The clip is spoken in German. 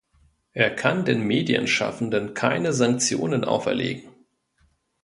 Er kann den Medienschaffenden keine Sanktionen auferlegen.